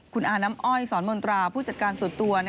คุณอาน้ำอ้อยสอนมนตราผู้จัดการส่วนตัว